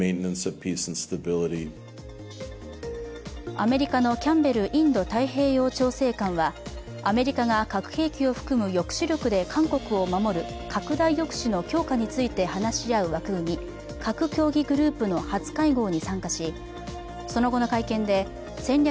アメリカのキャンベル・インド太平洋調整官はアメリカが核兵器を含む抑止力で韓国を守る拡大抑止の強化について話し合う枠組み、核協議グループの初会合に参加し、その後の会見で戦略